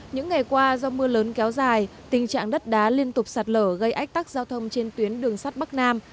những ngày qua do mưa lớn kéo dài tình trạng đất đá liên tục sạt lở gây ách tắc giao thông trên tuyến đường sắt bắc nam